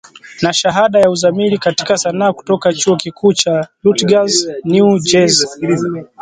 Na shahada ya uzamili katika sanaa kutoka Chuo Kikuu cha Rutgers, New Jersey